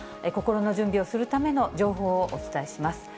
心の準備をするための情報をお伝えします。